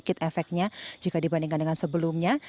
sedikit efeknya jika dibandingkan dengan sebelumnya